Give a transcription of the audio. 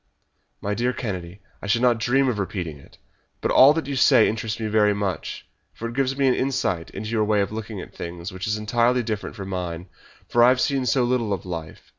"My dear Kennedy, I should not dream of repeating it. But all that you say interests me very much, for it gives me an insight into your way of looking at things, which is entirely different from mine, for I have seen so little of life.